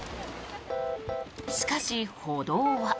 しかし、歩道は。